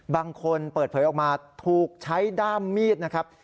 บางคนเปิดเผยออกมาถูกใช้ด้ามมีดนะครับ